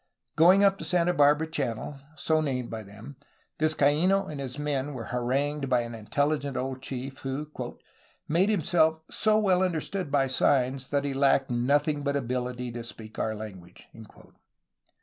Going up the Santa Barbara Channel, so named by them, Vizcaino and his men were harangued by an inteUigent old chief, who "made himself so well understood by signs that he lacked nothing but ability to speak our language."